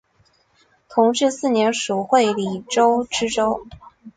同治四年署会理州知州。